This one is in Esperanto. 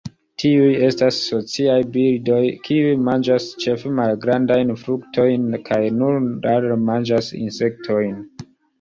Tiuj estas sociaj birdoj kiuj manĝas ĉefe malgrandajn fruktojn kaj nur rare manĝas insektojn.